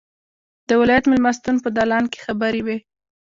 د ولایت مېلمستون په دالان کې خبرې وې.